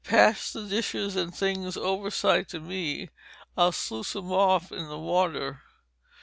"Pass the dishes and things overside to me. I'll sluice 'em off in the water.